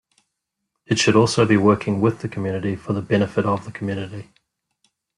It should also be working with the community for the benefit of the community.